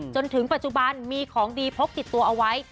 จนถึงปัจจุบันมีของดีพกติดตัวเอาไว้